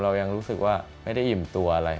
เรายังรู้สึกว่าไม่ได้อิ่มตัวอะไร